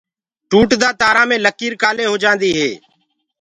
ٽوٽدآ تآرآ مي لڪيٚر ڪآلي هوجآنديٚ هي؟